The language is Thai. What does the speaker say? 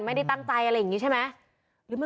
ไม่ได้ตั้งใจอะไรอย่างนี้ใช่ไหม